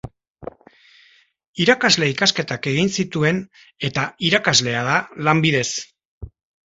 Irakasle ikasketak egin zituen, eta irakaslea da lanbidez.